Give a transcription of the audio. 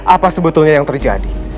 apa sebetulnya yang terjadi